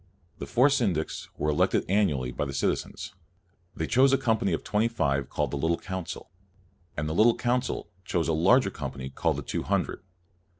The four syndics were elected annually by the citizens. They chose a company of twenty five called the Little Council, and the Little Council chose a larger company called the Two Hundred.